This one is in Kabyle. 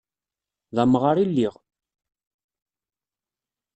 D amɣar i lliɣ.